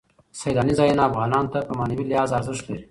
سیلاني ځایونه افغانانو ته په معنوي لحاظ ارزښت لري.